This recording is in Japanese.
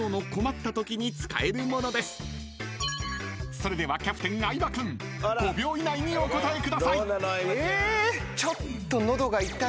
［それではキャプテン相葉君５秒以内にお答えください］